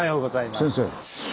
先生。